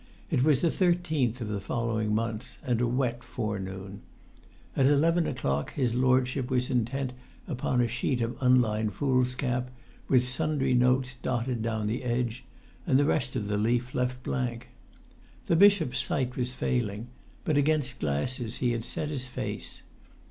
It was the thirteenth of the following month, and a wet forenoon. At eleven o'clock his lordship was intent upon a sheet of unlined foolscap, with sundry notes dotted down the edge, and the rest of the leaf left blank. The bishop's sight was failing, but against glasses he had set his face.